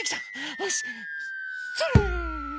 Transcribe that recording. よしそれ。